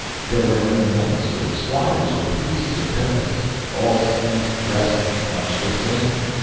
There were no knights or squires, or priests or peasants. All seemed dressed much the same.